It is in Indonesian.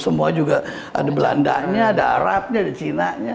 semua juga ada belandanya ada arabnya ada chinanya